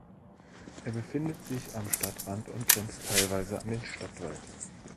Er befindet sich am Stadtrand und grenzt teilweise an den Stadtwald.